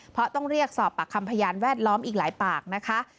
เพราะต้องเรียกสอบปากคำพยานแวดล้อมอีกหลายปากนะคะ